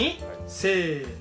せの。